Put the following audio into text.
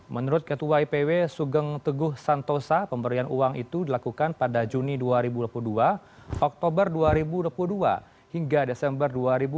menurut ketua ipw sugeng teguh santosa pemberian uang itu dilakukan pada juni dua ribu dua puluh dua oktober dua ribu dua puluh dua hingga desember dua ribu dua puluh